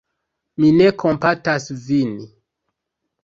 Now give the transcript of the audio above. Mi ne kompatas vin.